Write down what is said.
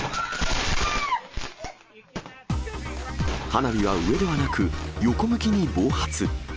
花火は上ではなく、横向きに暴発。